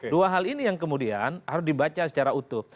dua hal ini yang kemudian harus dibaca secara utuh